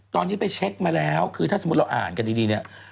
ตอนนี้ไปเช็คมาแล้วคือถ้าสมมุติเราอ่านกันดีเนี่ย